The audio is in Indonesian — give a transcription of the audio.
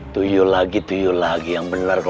tuyul lagi tuyul lagi yang bener pak kiai